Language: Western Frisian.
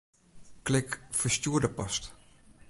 Klik Ferstjoerde post.